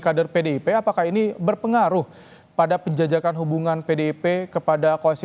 kader pdip apakah ini berpengaruh pada penjajakan hubungan pdip kepada koalisi